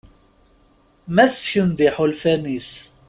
Ma tesken-d iḥulfan-is.